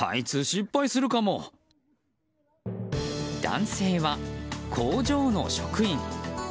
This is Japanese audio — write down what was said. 男性は工場の職員。